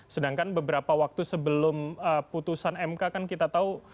sedangkan beberapa waktu sebelum putusan mk kan kita tahu